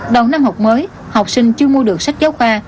đầu năm học mới học sinh chưa mua được sách giáo khoa